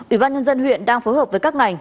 ủy ban nhân dân huyện đang phối hợp với các ngành